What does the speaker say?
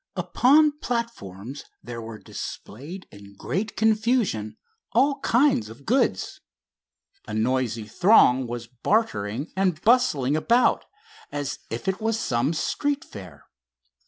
Upon platforms there were displayed in great confusion all kinds of goods. A noisy throng was bartering and bustling about, as if it was some street fair.